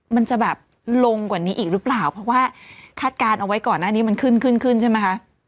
มันจะแบบลงกว่านี้อีกหรือเปล่าเพราะว่าคาดการณ์เอาไว้ก่อนหน้านี้มันขึ้นขึ้นขึ้นขึ้นใช่ไหมคะ